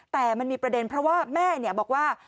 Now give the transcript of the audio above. แต่มันมีประเด็นเพราะว่าแม่บอกว่า